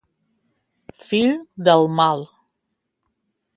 Fill del mal.